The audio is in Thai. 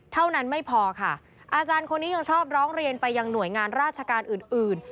เท่านั้นไม่พอค่ะอาจารย์คนนี้ยังชอบร้องเรียนไปยังหน่วยงานราชการอื่นอื่น